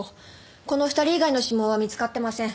この２人以外の指紋は見つかってません。